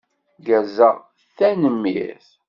Gerzeɣ, tanemmirt.